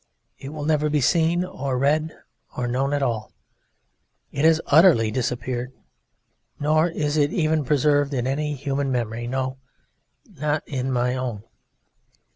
It will never be seen or read or known at all. It has utterly disappeared nor is it even preserved in any human memory no, not in my own.